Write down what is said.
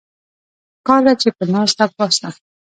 پکار ده چې پۀ ناسته پاسته